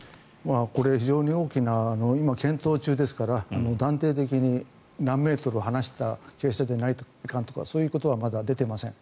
これ、非常に大きな今、検討中ですから断定的に何メートル離した鶏舎でないといけないとかそういうことはまだ出ていません。